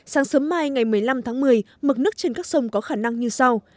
sáng sớm mai ngày một mươi năm tháng một mươi mực nước trên các sông có khả năng như sau